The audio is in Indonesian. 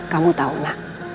kamu tahu nak